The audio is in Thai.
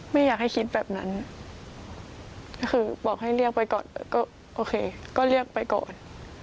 ไม่อยากให้คิดแบบนั้นก็คือบอกให้เรียกไปก่อนก็โอเคก็เรียกไปก่อน